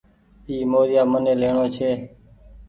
اي موريآ مني ليڻو ڇي۔